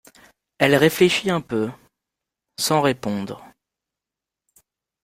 Elle réfléchit un peu, sans répondre.